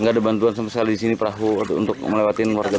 nggak ada bantuan sampai saat ini perahu untuk melewati warga